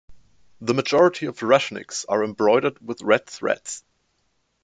The majority of rushnyks are embroidered with red threads.